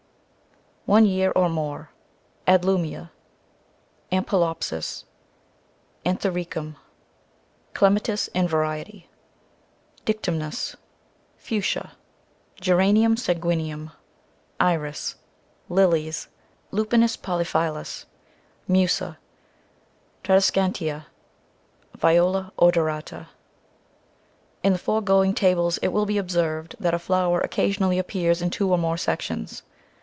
One Year or More Adlumia, Ampelopsis, Anthericum, Clematis, in variety, Dictamnus, Fuchsia, Geranium Sanguineum, Iris, Lilies, Lupinus Polyphyllus, Musa, Tradescantia, Viola Odorata. In the foregoing tables it will be observed that a flower occasionally appears in two or more sections.